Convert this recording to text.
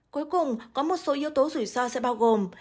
cuối cùng có một số yếu tố rủi ro sẽ bao gồm